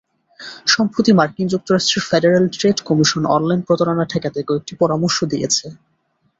সম্প্রতি মার্কিন যুক্তরাষ্ট্রের ফেডারেল ট্রেড কমিশন অনলাইন প্রতারণা ঠেকাতে কয়েকটি পরামর্শ দিয়েছে।